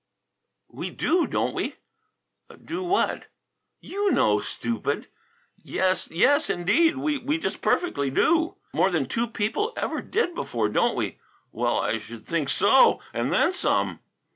"We do, don't we?" "Do what?" "You know, stupid!" "Yes, yes indeed! We just perfectly do!" "More than any two people ever did before, don't we?" "Well, I should think so; and then some."